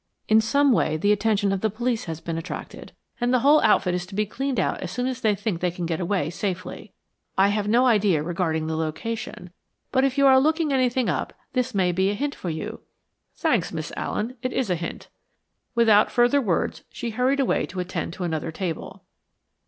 In some way the attention of the police has been attracted, and the whole outfit is to be cleaned out as soon as they think they can get away safely. I have no idea regarding the location, but if you are looking anything up this may be a hint for you." "Thanks, Miss Allen. It is a hint." Without further words, she hurried away to attend to another table.